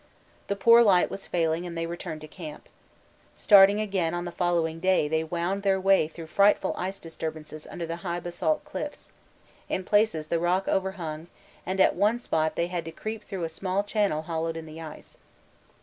The poor light was failing and they returned to camp. Starting again on the following day they wound their way through frightful ice disturbances under the high basalt cliffs; in places the rock overhung, and at one spot they had to creep through a small channel hollowed in the ice.